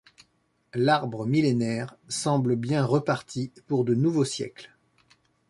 L'arbre millénaire semble bien reparti pour de nouveaux siècles.